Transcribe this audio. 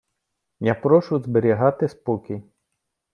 Я прошу зберігати спокій!